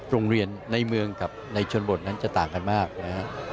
โรงเรียนในเมืองกับในชนบทนั้นจะต่างกันมากนะฮะ